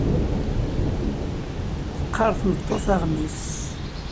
Teqqar tmeṭṭut aɣmis.